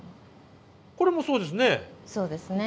これもそうですね。